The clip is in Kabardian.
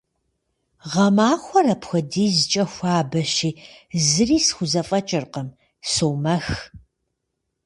Гъэмахуэр апхуэдизкӀэ хуабэщи, зыри схузэфӀэкӀыркъым, сомэх.